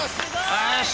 よし！